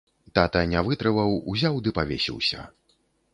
Тата не вытрываў, узяў ды павесіўся.